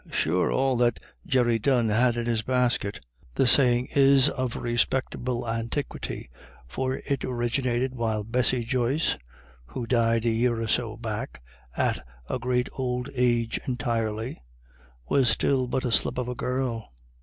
Sure, all that Jerry Dunne had in his basket." The saying is of respectable antiquity, for it originated while Bessy Joyce, who died a year or so back, at "a great ould age entirely," was still but a slip of a girl.